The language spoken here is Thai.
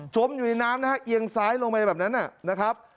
มอยู่ในน้ำนะฮะเอียงซ้ายลงไปแบบนั้นนะครับ